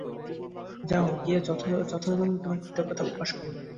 যাও, গিয়ে যথাযথভাবে তোমার কৃতজ্ঞতা প্রকাশ করো!